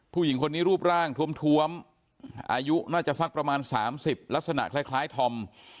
ผู้หญิงคนนี้รูปร่างทวมอายุน่าจะสักประมาณ๓๐ลักษณะคล้ายธอม